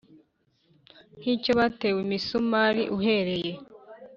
nk icyo batewe imisumari Uhereye